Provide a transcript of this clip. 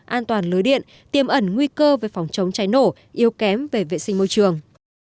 an toàn lưới điện tiêm ẩn nguy cơ về phòng chống cháy nổ yếu kém về vệ sinh môi trường